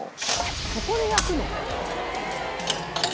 そこで焼くの？